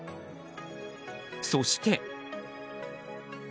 そして。